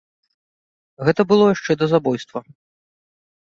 Гэта было яшчэ да забойства.